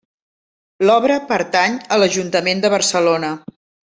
L'obra pertany a l'Ajuntament de Barcelona.